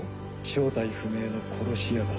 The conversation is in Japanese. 正体不明の殺し屋だ。